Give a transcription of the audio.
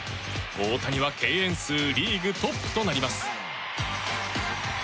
大谷は敬遠数リーグトップとなります。